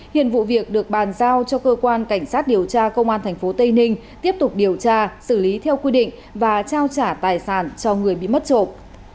hiện vụ việc được bàn giao cho cơ quan cảnh sát điều tra công an tp tây ninh tiếp tục điều tra xử lý theo quy định và trao trả tài sản cho người bị mất trộm